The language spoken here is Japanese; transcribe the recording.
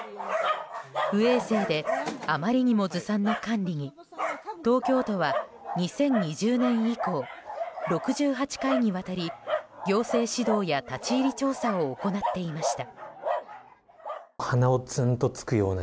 不衛生であまりにもずさんな管理に東京都は２０２０年以降６８回にわたり行政指導や立ち入り調査を行っていました。